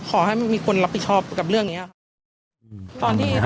ขอให้มีคนรับผิดชอบกับเรื่องนี้ครับ